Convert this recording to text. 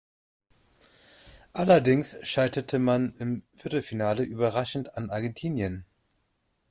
Allerdings scheiterte man im Viertelfinale überraschend an Argentinien.